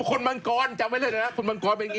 คนมังกรจำไว้เลยนะ